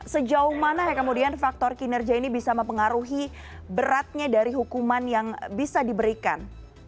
sejauh mana kemudian faktor kinerja ini bisa mempengaruhi beratnya dari hukuman yang bisa diberikan